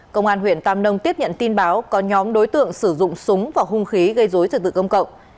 công an huyện tàm nông tiếp nhận tin báo có nhóm đối tượng sử dụng súng và hung khí gây dối trật tự công cộng